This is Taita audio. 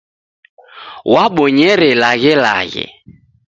Wabonyere laghelaghe.